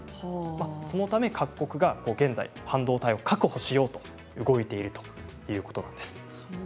そのため、各国が現在半導体を確保しようと動いているということなんです。